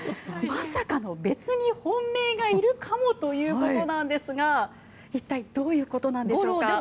まさかの別に本命がいるかもということなんですが一体どういうことなんでしょうか。